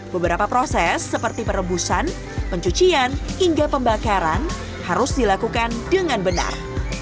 beberapa proses seperti perebusan pencucian hingga pembakaran harus dilakukan dengan benar